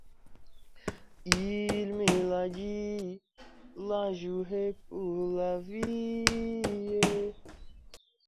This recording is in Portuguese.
Fogo de ramo, fogo de fogo; Firmando fogo, fogo de tormento.